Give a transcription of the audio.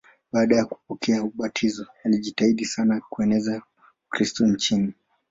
Baada ya kupokea ubatizo alijitahidi sana kueneza Ukristo nchini.